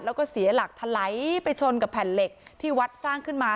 แล้วก็เสียหลักทะไหลไปชนกับแผ่นเหล็กที่วัดสร้างขึ้นมา